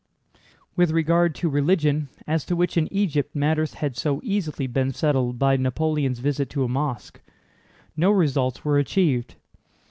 With regard to religion, as to which in Egypt matters had so easily been settled by Napoleon's visit to a mosque, no results were achieved.